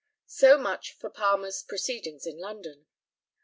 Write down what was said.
So much for Palmer's proceedings in London.